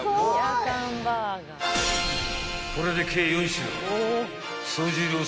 ［これで計４品］